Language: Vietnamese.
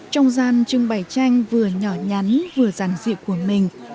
trong gian trưng bày tranh vừa nhỏ nhắn vừa ràng rịa của mình